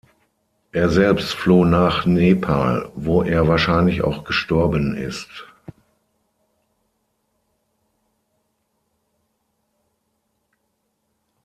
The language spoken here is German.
Er selbst floh nach Nepal, wo er wahrscheinlich auch gestorben ist.